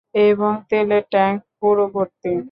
এবং তেলের ট্যাংক পুরো ভর্তি।